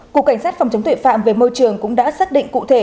cục cảnh sát phòng chống tuệ phạm về môi trường cũng đã xác định cụ thể